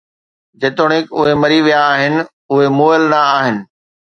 جيتوڻيڪ اهي مري ويا آهن، اهي مئل نه آهن